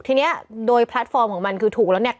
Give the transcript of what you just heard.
ทีนี้โดยแพลตฟอร์มของมันคือถูกแล้วเนี่ย